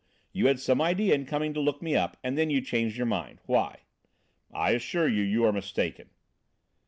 You had some idea in coming to look me up and then you changed your mind. Why?" "I assure you you are mistaken."